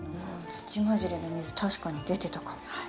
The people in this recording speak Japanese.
土混じりの水確かに出てたかも。